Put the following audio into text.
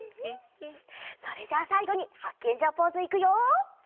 それじゃあさいごにハッケンジャーポーズいくよ！